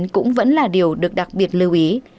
cũng vẫn là điều được đặc biệt lưu ý